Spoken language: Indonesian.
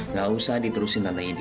nggak usah diterusin tante edi